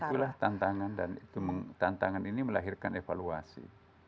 itulah tantangan dan tantangan ini melahirkan evaluasi